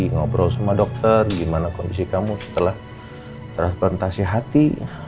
ngobrol sama dokter gimana kondisi kamu setelah transplantasi hati